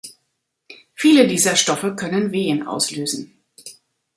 Viele dieser Stoffe können Wehen auslösen.